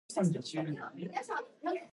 Such triplets have not been observed.